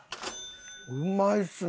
うまいですね。